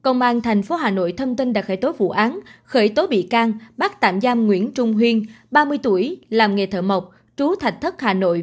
nguyễn trung huyên đã khởi tố vụ án khởi tố bị can bắt tạm giam nguyễn trung huyên ba mươi tuổi làm nghề thợ mộc trú thạch thất hà nội